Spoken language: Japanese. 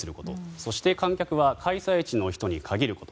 そして観客は開催地の人に限ること。